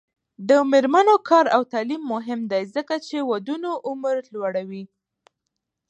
د میرمنو کار او تعلیم مهم دی ځکه چې ودونو عمر لوړوي.